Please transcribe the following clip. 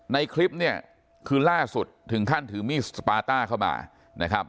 ในคลิปนี้คือล่าสุดถึงท่านถือมีดสปาต้าเข้ามา